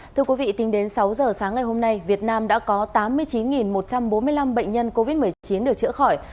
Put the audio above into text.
thưa quý vị tính đến sáu giờ sáng ngày hôm nay việt nam đã có tám mươi chín một trăm bốn mươi năm bệnh nhân covid một mươi chín được chữa khỏi